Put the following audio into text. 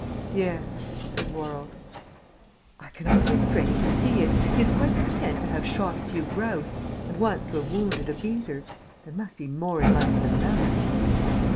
"Yes," said Worrall. "I cannot get Freddy to see it. He is quite content to have shot a few grouse ... and once to have wounded a beater. There must be more in life than that."